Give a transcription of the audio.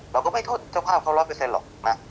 เราก็ไม่ทดเจ้าภาพเขารอเปรย์เซ็นหรอกนะ